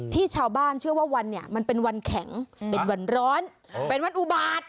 ชาวบ้านเชื่อว่าวันนี้มันเป็นวันแข็งเป็นวันร้อนเป็นวันอุบาต